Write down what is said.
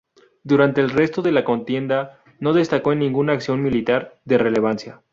Durante el resto de la contienda no destacó en ninguna acción militar de relevancia.